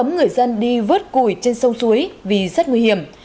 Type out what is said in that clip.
người dân đi vớt cùi trên sông suối vì rất nguy hiểm